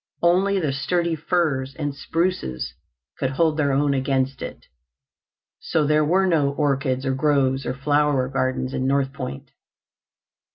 Only the sturdy firs and spruces could hold their own against it. So there were no orchards or groves or flower gardens in North Point.